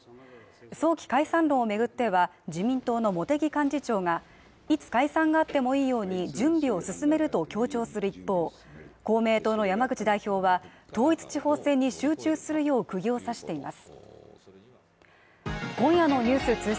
早期解散論を巡っては、自民党の茂木幹事長が、いつ解散があってもいいように準備を進めると強調する一方、公明党の山口代表は統一地方選に集中するようクギを刺しています。